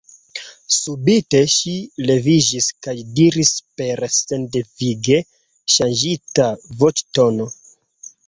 Subite ŝi leviĝis kaj diris per sindevige ŝanĝita voĉtono: